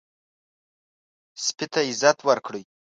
سپي ته عزت ورکړئ.